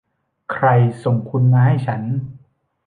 ใครส่งคุณมาให้ฉัน